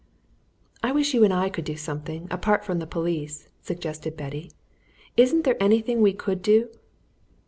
"I wish you and I could do something apart from the police," suggested Betty. "Isn't there anything we could do?"